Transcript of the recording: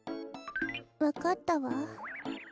わかったわ。